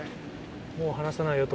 もう離さないよと。